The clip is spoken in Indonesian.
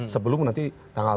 sebelum nanti tanggal tujuh belas